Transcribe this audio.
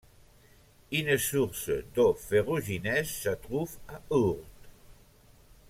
Une source d'eau ferrugineuse se trouve à Hourt.